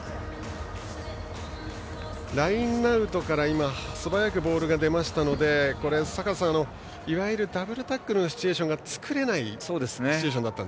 ラインアウトから今、素早くボールが出たので坂田さん、いわゆるダブルタックルのシチュエーションが作れないシチュエーションでした。